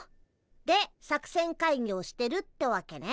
で作戦会議をしてるってわけね。